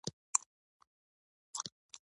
د پوځې عملیاتو او د خلکو د ځپلو له لارې حل کړي.